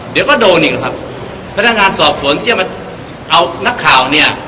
เดี๋ยวก็โดนอีกหรอครับพนักงานสอบสวนที่จะมาเอานักข่าวเนี่ย